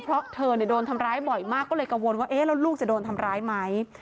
เพราะเธอโดนทำร้ายบ่อยมากก็เลยกังวลว่าเอ๊ะแล้วลูกจะโดนทำร้ายไหม